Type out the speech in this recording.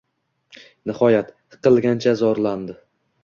Nihoyat, hiqillagancha zorlanishdi